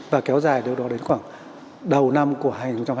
và kéo dài được đó đến khoảng đầu năm của hai nghìn hai mươi một